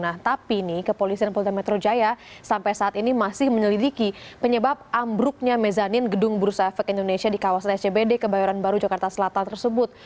nah tapi nih kepolisian polda metro jaya sampai saat ini masih menyelidiki penyebab ambruknya mezanin gedung bursa efek indonesia di kawasan scbd kebayoran baru jakarta selatan tersebut